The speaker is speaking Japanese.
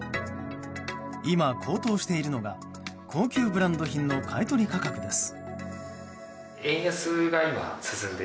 今、高騰しているのが高級ブランド品の買い取り価格です。